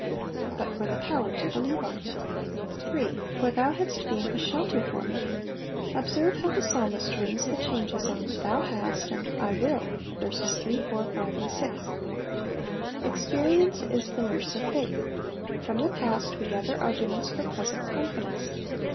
iour, but for the power to believe on him. 8. '''For Hum liant leen a shelter for mey Observe how the psalmist rings the changes on, ^'Tlwu lutut,'^ and *'/ m//,'' *verses 3, 4, 5, and 6. Experience is the nurse of failh. From the past we gather arguments for present con fidence.